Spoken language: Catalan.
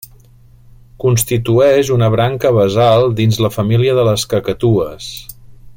Constitueix una branca basal dins la família de les cacatues.